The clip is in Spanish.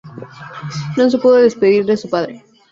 No se pudo despedir de su padre.